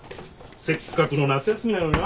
せっかくの夏休みなのになぁ。